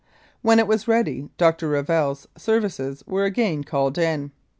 When it was ready Dr. Revell's services were again called in.